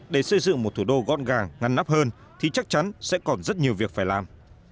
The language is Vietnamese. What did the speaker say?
để xây dựng một thủ đô gọn gàng ngăn nắp hơn thì chắc chắn sẽ còn rất nhiều việc phải làm